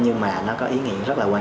nhưng mà nó có ý nghĩa